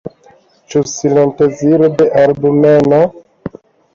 Ĉu sintezilo de albumeno?